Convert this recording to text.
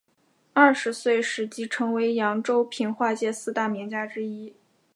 二十岁时即成为扬州评话界四大名家之一。